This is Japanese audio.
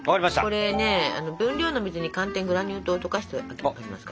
これね分量の水に寒天グラニュー糖を溶かしておきました。